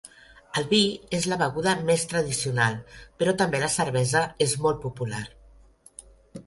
El vi és la beguda més tradicional però també la cervesa és molt popular.